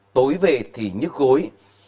tối về thì nhức gối